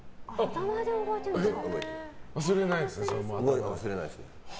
忘れないんですか。